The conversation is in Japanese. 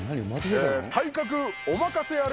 体格お任せあれ！